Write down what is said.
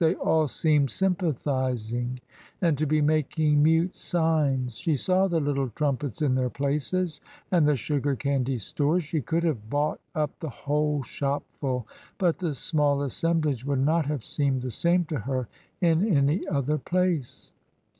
They all seemed sympathising and to be making mute signs; she saw the little trumpets in their places and the sugar candy stores; she could have bought up the whole shopful, but the small assemblage would not have seemed the same to her in any other place.